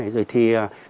rồi thì ổn định